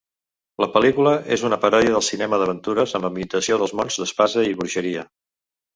La pel·lícula és una paròdia del cinema d'aventures amb ambientació dels mons d'espasa i bruixeria.